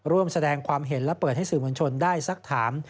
ร่วมแสดงความเห็นและเปิดให้สื่อมวลชนได้สักถาม